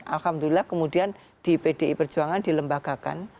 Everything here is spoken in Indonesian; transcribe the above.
alhamdulillah kemudian di pdi perjuangan dilembagakan